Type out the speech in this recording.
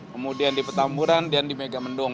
kemudian di petamburan dan di megamendung